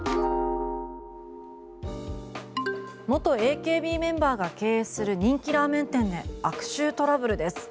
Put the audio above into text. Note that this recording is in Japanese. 元ＡＫＢメンバーが経営する人気ラーメン店で悪臭トラブルです。